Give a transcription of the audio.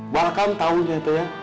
bahkan tahunya itu ya